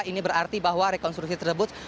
ini berarti bahwa rekonstruksi tersebut